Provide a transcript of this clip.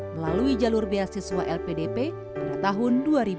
melalui jalur beasiswa lpdp pada tahun dua ribu dua puluh